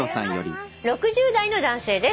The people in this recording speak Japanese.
「６０代の男性です」